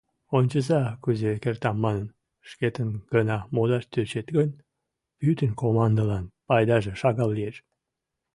Ончыза, кузе кертам манын, шкетын гына модаш тӧчет гын, пӱтынь командылан пайдаже шагал лиеш.